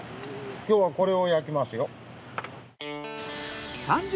今日はこれを焼きますよ。